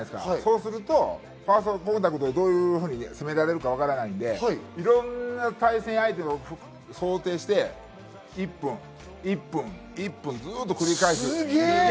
するとファーストコンタクトでどういうふうに攻められるか分からないので、いろんな対戦相手を想定して１分、１分というのを繰り返します。